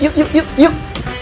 yuk yuk yuk yuk